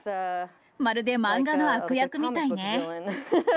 まるで漫画の悪役みたいね。